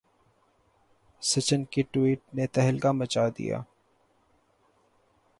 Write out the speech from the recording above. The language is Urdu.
سچن کی ٹوئٹ نے تہلکہ مچا دیا